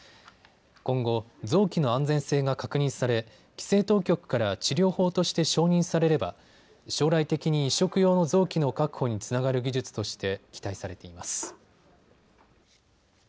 今後、臓器の安全性が確認され規制当局から治療法として承認されれば将来的に移植用の臓器の確保につながる技術として期待されています。